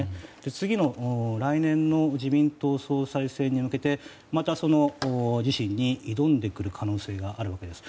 次の来年の自民党総裁選に向けてまた自身に挑んでくる可能性があるわけです。